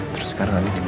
terus sekarang andi dimana